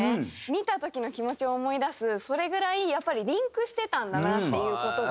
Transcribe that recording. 見た時の気持ちを思い出すそれぐらいやっぱりリンクしてたんだなっていう事がよくわかりました。